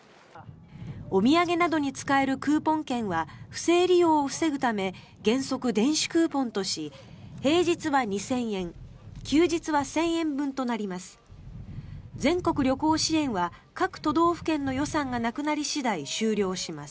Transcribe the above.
お土産などに使えるクーポン券は不正利用を防ぐため原則、電子クーポンとし平日は２０００円休日は１０００円分となります。